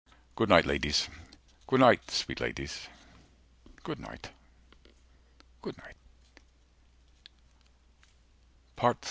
Good night, ladies, good night, sweet ladies, good night, good night.